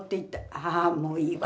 ああもういいわ」。